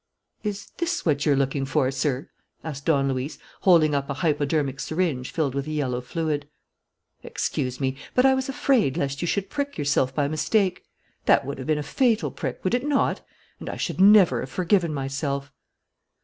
"Is this what you're looking for, sir?" asked Don Luis, holding up a hypodermic syringe filled with a yellow fluid. "Excuse me, but I was afraid lest you should prick yourself by mistake. That would have been a fatal prick, would it not? And I should never have forgiven myself."